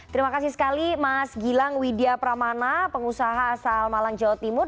terima kasih sekali mas gilang widya pramana pengusaha asal malang jawa timur